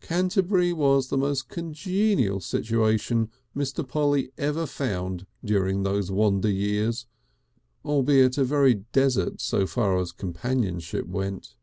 Canterbury was the most congenial situation Mr. Polly ever found during these wander years, albeit a very desert so far as companionship went.